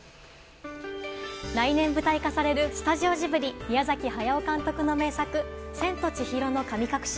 来年舞台化されるスタジオジブリ宮崎駿監督の名作「千と千尋の神隠し」。